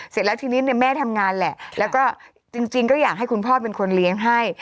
เสร็จแล้วทีนี้เนี่ยแม่ทำงานแหละแล้วก็จริงก็อยากให้คุณพ่อเป็นคนเลี้ยงให้